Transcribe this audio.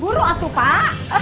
buru atuh pak